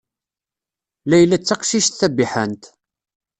Layla d taqcict tabiḥant.